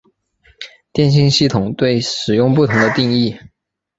电信系统对使用不同的定义。